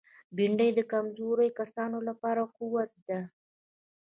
بېنډۍ د کمزوري کسانو لپاره قوت ده